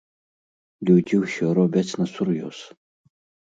Людзі ўсё робяць насур'ёз.